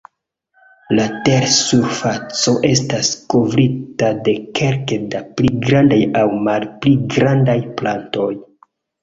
La tersurfaco estas kovrita de kelke da pli grandaj aŭ malpli grandaj platoj.